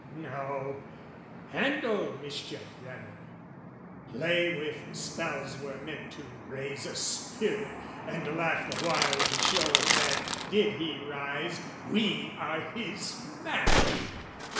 No, handle mischief rather, play with spells Were meant to raise a spirit, and laugh the while We show that did he rise we are his match!